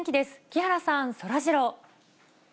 木原さん、そらジロー。